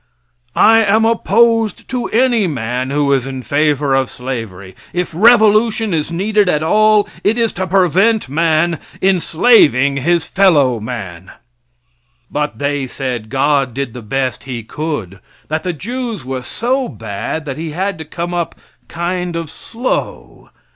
I am opposed to any man who is in favor of slavery. If revolution is needed at all it is to prevent man enslaving his fellow man. But they say God did the best He could; that the Jews were so bad that He had to come up kind of slow.